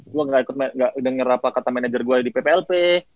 gue gak denger apa kata manager gue di pplp